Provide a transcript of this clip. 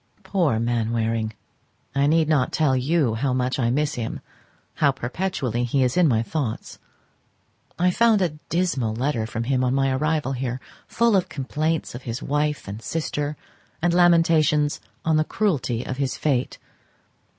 Poor Mainwaring! I need not tell you how much I miss him, how perpetually he is in my thoughts. I found a dismal letter from him on my arrival here, full of complaints of his wife and sister, and lamentations on the cruelty of his fate.